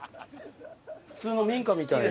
普通の民家みたいな。